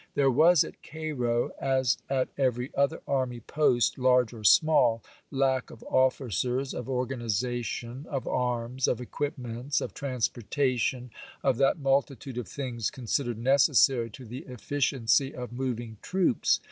There was at Cairo, as at every other army post, large or small, lack of officers, of organization, of anus, of equipments, of transportation, of that multitude of things considered necessary to the efficiency of moving troops.